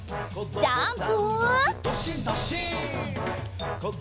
ジャンプ！